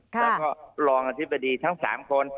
แล้วก็รองอธิบดีทั้ง๓คน